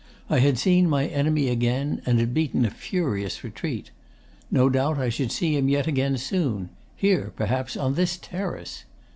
I had seen my enemy again, and had beaten a furious retreat. No doubt I should see him yet again soon here, perhaps, on this terrace.